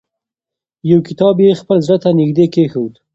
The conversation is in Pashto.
یو کتاب یې خپل زړه ته نږدې کېښود.